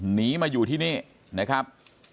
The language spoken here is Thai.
หนีมาอยู่ที่นี่นะครับ